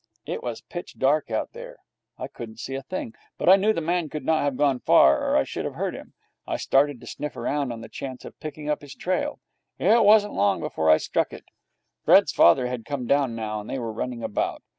It was pitch dark out there. I couldn't see a thing. But I knew the man could not have gone far, or I should have heard him. I started to sniff round on the chance of picking up his trail. It wasn't long before I struck it. Fred's father had come down now, and they were running about.